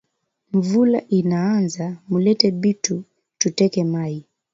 Nvula inaanza mulete bitu tu teke mayi